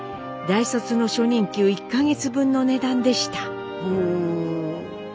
大卒の初任給１か月分の値段でした。